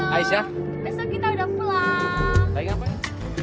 aisyah besok kita udah pulang